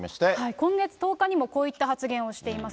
今月１０日にもこういった発言をしています。